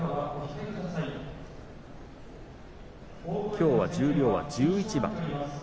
きょうは十両は１１番。